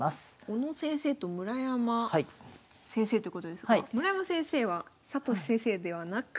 小野先生と村山先生ということですが村山先生は聖先生ではなく？